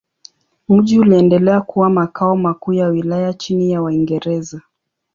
Mji uliendelea kuwa makao makuu ya wilaya chini ya Waingereza.